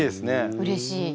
うれしい。